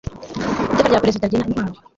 iteka rya perezida rigena intwaro